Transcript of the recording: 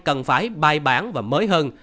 cần phải bài bản và mới hơn